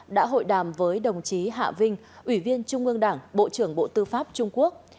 đã hội đàm với đồng chí hạ vinh ủy viên trung ương đảng bộ trưởng bộ tư pháp trung quốc